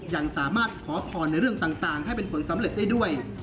ยังสามารถขอพรในเรื่องต่างให้เป็นผลสำเร็จได้ด้วย